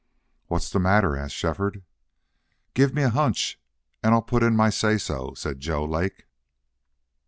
"What's the matter?" asked Shefford. "Give me a hunch and I'll put in my say so," said Joe Lake.